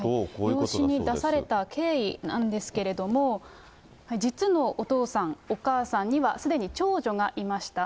養子に出された経緯なんですけれども、実のお父さん、お母さんにはすでに長女がいました。